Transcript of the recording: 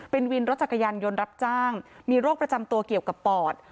เป็นวินรถจักรยานยนต์รับจ้างมีโรคประจำตัวเกี่ยวกับปอด